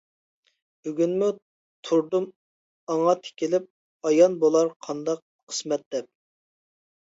بۈگۈنمۇ تۇردۇم ئاڭا تىكىلىپ ئايان بولار قانداق قىسمەت دەپ.